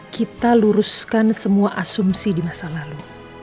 kita luruskan semua asumsi di masa lalu